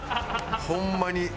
ホンマに。